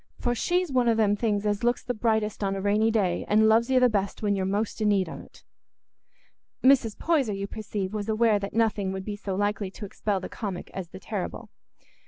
For she's one o' them things as looks the brightest on a rainy day, and loves you the best when you're most i' need on't." Mrs. Poyser, you perceive, was aware that nothing would be so likely to expel the comic as the terrible.